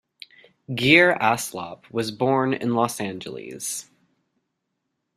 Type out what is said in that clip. Geer-Alsop was born in Los Angeles.